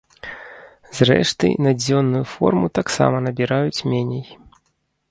Зрэшты, на дзённую форму таксама набіраюць меней.